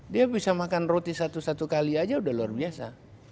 dia bisa makan roti satu satu kali aja udah luar biasa